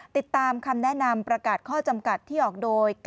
ติดตามคำแนะนำประกาศข้อจำกัดที่ออกโดย